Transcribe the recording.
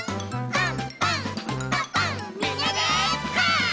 パン！